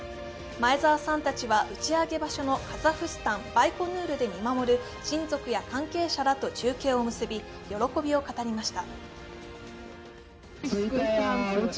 前澤さんたちは打ち上げ先のカザフスタン・バイコヌールから見守る親族や関係者らと中継を結び、喜びを語りました。